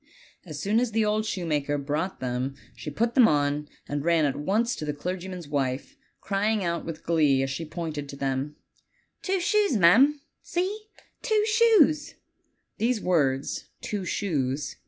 As soon as the old shoemaker brought them she put them on, and ran at once to the clergyman's wife, crying out with glee, as she pointed to them: "Two shoes, ma'am! See, two shoes!" These words, "two shoes!"